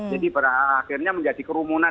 jadi akhirnya menjadi kerumunan